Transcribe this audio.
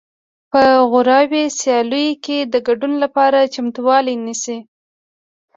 په غوراوي سیالیو کې د ګډون لپاره چمتووالی نیسي